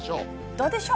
どうでしょう？